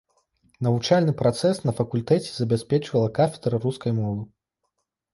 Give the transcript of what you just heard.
Навучальны працэс на факультэце забяспечвала кафедра рускай мовы.